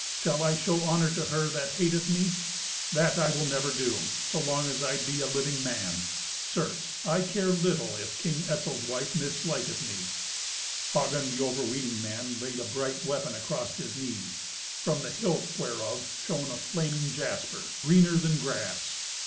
Shall I show honour to her that hateth me? That I will never do, so long as I be a living man. Certes, I care little if King Etzel's wife misliketh me." Hagen, the overweening man, laid a bright weapon across his knee, from the hilt whereof shone a flaming jasper, greener than grass.